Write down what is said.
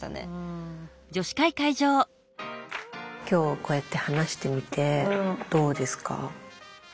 今日こうやって話してみてどうですか？